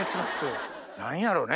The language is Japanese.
何やろね